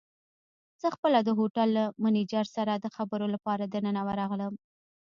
زه خپله د هوټل له مېنېجر سره د خبرو لپاره دننه ورغلم.